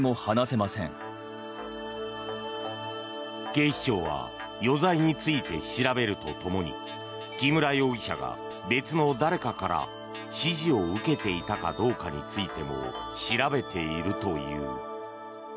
警視庁は余罪について調べるとともに木村容疑者が別の誰かから指示を受けていたかどうかについても調べているという。